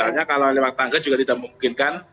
misalnya kalau lewat tangga juga tidak memungkinkan